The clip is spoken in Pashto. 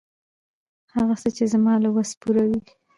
هغه څه، چې زما له وس پوره وي.